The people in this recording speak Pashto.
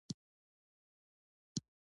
په افغانستان کې ننګرهار شتون لري.